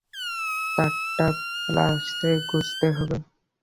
তারটা প্লাসে গুজতে হবে।